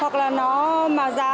hoặc là nó mà giá